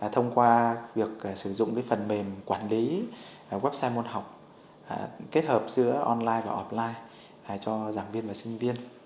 thông qua việc sử dụng phần mềm quản lý website môn học kết hợp giữa online và offline cho giảng viên và sinh viên